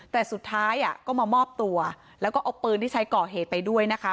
แต่สุดท้ายก็มามอบตัวแล้วก็เอาปืนที่ใช้ก่อเหตุไปด้วยนะคะ